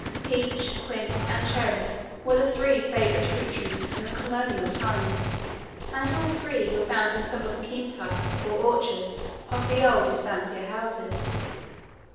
Peach, quince, and cherry were the three favourite fruit trees in the colonial times, and all three were found in some of the quintas or orchards of the old estancia houses.